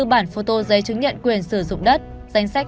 một bảy trăm tám mươi bốn bản phô tô giấy chứng nhận quyền sử dụng đất